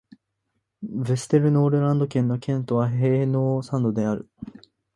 ヴェステルノールランド県の県都はヘーノーサンドである